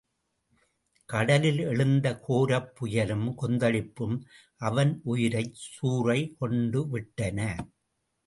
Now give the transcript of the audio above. கடலில் எழுந்த கோரப் புயலும் கொந்தளிப்பும் அவன் உயிரைச் சூறை கொண்டுவிட்டன.